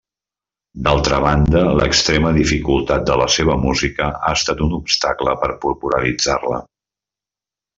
D'altra banda, l'extrema dificultat de la seva música ha estat un obstacle per popularitzar-la.